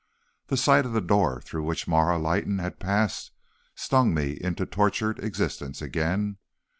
The sight of the door through which Marah Leighton had passed stung me into tortured existence again.